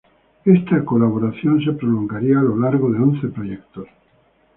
Esta colaboración se prolongaría a lo largo de once proyectos.